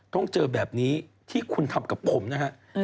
ต้องเจอแบบนี้ที่คุณทำกับผมนะฮะ